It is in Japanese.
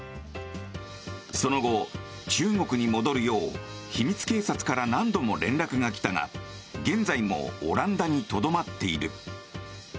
その後、中国に戻るよう秘密警察から何度も連絡が来たが現在もオランダにとどまっている。